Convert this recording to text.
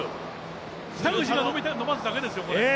北口が伸ばすだけですよ、これ。